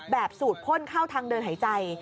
สูดพ่นเข้าทางเดินหายใจ